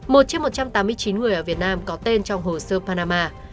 một trong một trăm tám mươi chín người ở việt nam có tên trong hồ sơ panama